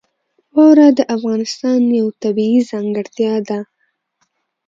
واوره د افغانستان یوه طبیعي ځانګړتیا ده.